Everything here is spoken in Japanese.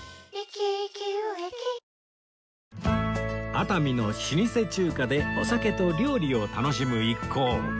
熱海の老舗中華でお酒と料理を楽しむ一行